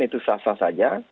itu sah sah saja